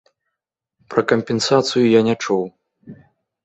Пра кампенсацыю я не чуў.